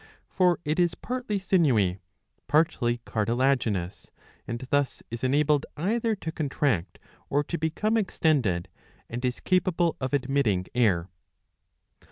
For it is partly sinewy, partly cartilaginous,^* and thus is enabled either to contract or to become extended, and is capable of admitting air.